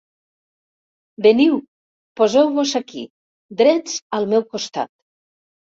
Veniu, poseu-vos aquí, drets al meu costat.